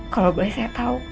kalau boleh saya tahu